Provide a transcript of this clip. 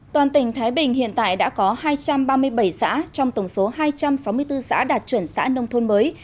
toàn tỉnh thái bình hiện tại đã có hai trăm ba mươi bảy xã trong tổng số hai trăm sáu mươi bốn xã đạt chuẩn xã nông thôn mới